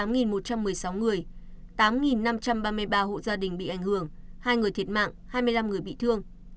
y như đã có bốn mươi tám một trăm một mươi sáu người tám năm trăm ba mươi ba hộ gia đình bị ảnh hưởng hai người thiệt mạng hai mươi năm người bị thương